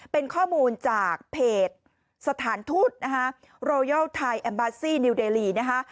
เป็นข้อมูลจากเพจสถานทูตนะคะโรยัลไทยแอมบาซี่นิวเดลีนะคะ